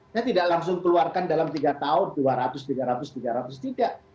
saya tidak langsung keluarkan dalam tiga tahun dua ratus tiga ratus tiga ratus tidak